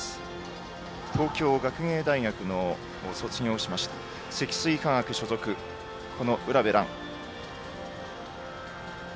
東京学芸大学を卒業しました積水化学所属、卜部蘭。